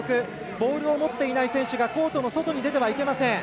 ボールを持っていない選手がコートの外に出てはいけません。